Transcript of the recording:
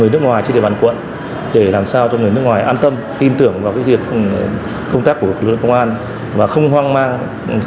hãy đăng ký kênh để nhận thông tin nhất